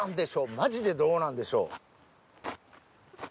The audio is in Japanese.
マジでどうなんでしょう？